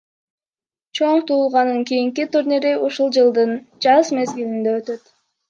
Чоң туулганын кийинки турнири ушул жылдын жаз мезгилинде өтөт.